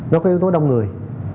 nó có yếu tố đông người